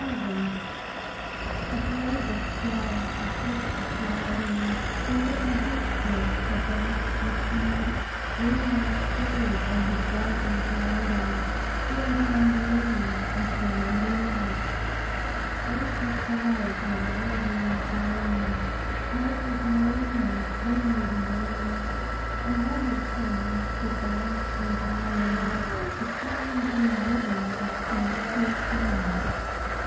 VII. A braver swell, a swifter sliding; The river hasteth, her banks recede; Wing like sails on her bosom gliding Bear down the lily, and drown the reed. Stately prows are rising and bowing (Shouts of mariners winnow the air) And level sands for banks endowing The tiny green ribbon that showed so fair.